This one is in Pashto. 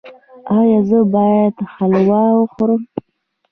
ایا زه باید حلوا وخورم؟